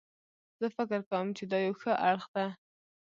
زه فکر کوم چې دا یو ښه اړخ ده